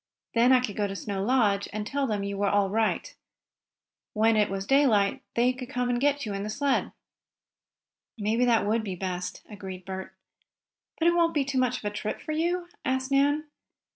Then I could go to Snow Lodge and tell them you were all right. When it was daylight they could come for you in the sled." "Maybe that would be best," agreed Bert. "But won't it be too much of a trip for you?" asked Nan.